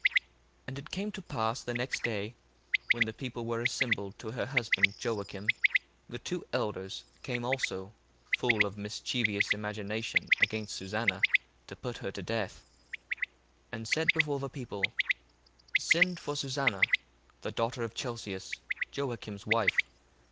1:28 And it came to pass the next day, when the people were assembled to her husband Joacim, the two elders came also full of mischievous imagination against Susanna to put her to death; 1:29 And said before the people, Send for Susanna, the daughter of Chelcias, Joacim's wife.